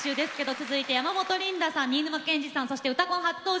続いては山本リンダさん新沼謙治さん、そして「うたコン」初登場